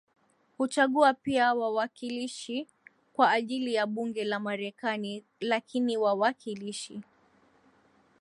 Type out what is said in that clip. huchagua pia wawakilishi kwa ajili ya bunge la Marekani lakini wawakilishi